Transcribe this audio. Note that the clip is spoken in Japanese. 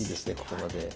ここまで。